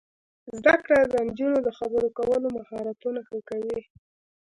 زده کړه د نجونو د خبرو کولو مهارتونه ښه کوي.